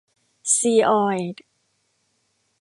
ซีออยล์